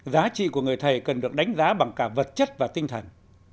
giá trị của người thầy cần được đánh giá bằng cả vật chất và tinh thần